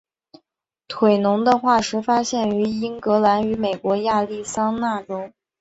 腿龙的化石发现于英格兰与美国亚利桑那州。